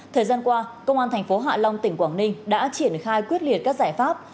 thời gian qua công an tp hạ long tỉnh quảng ninh đã triển khai quyết liệt các giải pháp